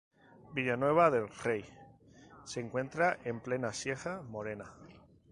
Villanueva del Rey se encuentra en plena Sierra Morena.